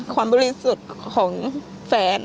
ความบริสุทธิ์ของแฟน